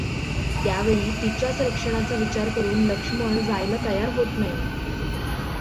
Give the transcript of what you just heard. त्यावेळी तिच्याच रक्षणाचा विचार करून लक्ष्मण जायला तयार होत नाही.